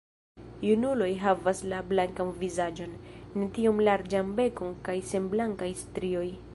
Junuloj havas blankan vizaĝon, ne tiom larĝan bekon kaj sen blankaj strioj.